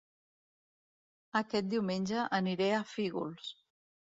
Aquest diumenge aniré a Fígols